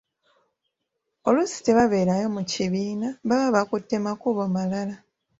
Oluusi tebabeerayo mu kibiina baba bakutte makubo malala.